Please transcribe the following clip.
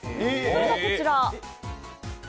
それがこちら。